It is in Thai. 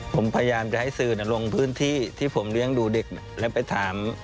ผมพยายามจะให้สื่อลงพื้นที่ที่ผมเลี้ยงดูเด็กแล้วไปถาม